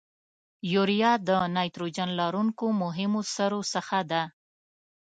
یوریا د نایتروجن لرونکو مهمو سرو څخه ده.